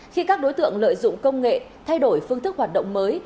khi các đối tượng lợi dụng công nghệ thay đổi phương thức hoạt động mới